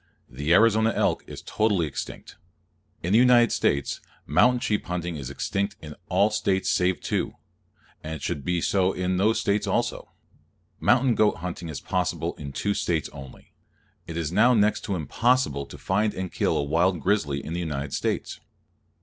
The Arizona elk is totally extinct. In the United States, mountain sheep hunting is extinct in all States save two: and it should be so in those also. Mountain goat hunting is possible in two States only. It is now next to impossible to find and kill a wild grizzly in the United States.